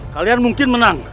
kalian mungkin menang